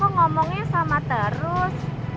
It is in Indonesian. kok ngomongnya sama terus